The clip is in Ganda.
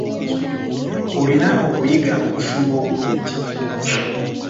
Olina okuyiga okufumba obulungi.